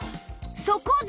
そこで